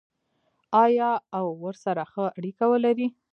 آیا او ورسره ښه اړیکه ولري؟